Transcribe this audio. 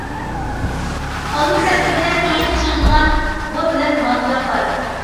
ئالما تەركىبىدە سۆڭەكنى چىڭىتىدىغان بور بىلەن مانگان بار.